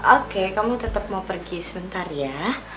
oke kamu tetap mau pergi sebentar ya